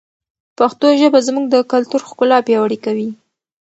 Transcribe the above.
پښتو ژبه زموږ د کلتور ښکلا پیاوړې کوي.